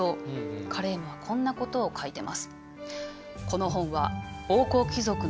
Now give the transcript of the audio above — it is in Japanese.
カレームはこんなことを書いてます。